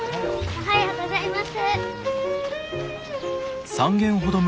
おはようございます。